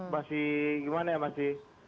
masih gimana ya masih